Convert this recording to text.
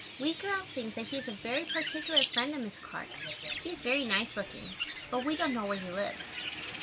We girls think that he is a very particular friend of Miss Clark. He is very nice looking, but we don't know where he lives.